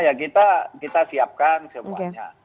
ya kita siapkan semuanya